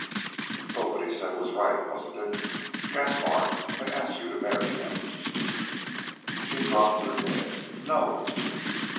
"But what he said was right, wasn't it? Gaspar had asked you to marry him?" She dropped her head. "No."